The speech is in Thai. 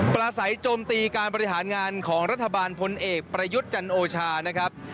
ประสัยโจมตีการบริหารงานของรัฐบาลพลเอกประยุทธ์จันโอชานะครับ